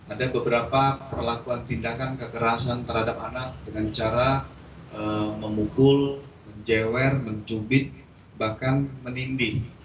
ada beberapa perlakuan tindakan kekerasan terhadap anak dengan cara memukul menjewer mencubit bahkan menindih